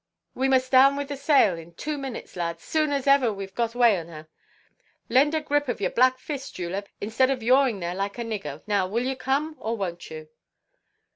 We must down with the sail in two minutes, lads, soon as ever weʼve got way on her. Lend a grip of your black fist, Julep, instead of yawing there like a nigger. Now will you come, or wonʼt you?"